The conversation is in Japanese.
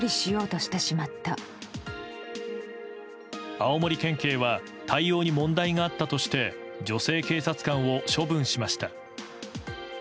青森県警は対応に問題があったとして女性警察官を処分しました。